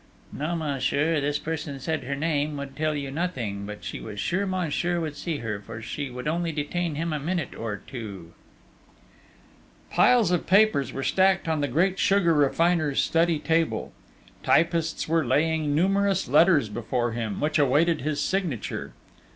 "No, monsieur, this person said her name would tell you nothing; but she was sure monsieur would see her, for she would only detain him a minute or two...." Piles of papers were stacked on the great sugar refiner's study table: typists were laying numerous letters before him, which awaited his signature.